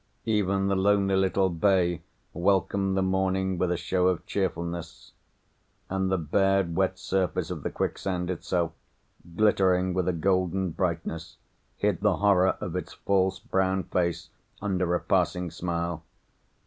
Even the lonely little bay welcomed the morning with a show of cheerfulness; and the bared wet surface of the quicksand itself, glittering with a golden brightness, hid the horror of its false brown face under a passing smile.